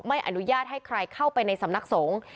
ไม่อนุญาตให้ใครเข้าไปในสำนักสงฆ์